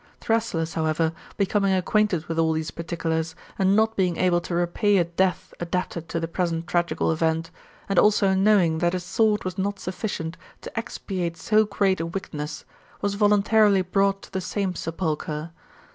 Thrasyllus, however, becoming acquainted with all these particulars, and not being able to repay a death adapted to the present tragical event, and also knowing that a sword was not sufficient to expiate so great a wickedness, was voluntarily brought to the same sepulchre.